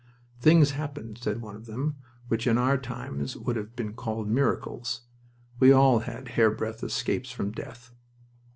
"Things happened," said one of them, "which in other times would have been called miracles. We all had hairbreadth escapes from death."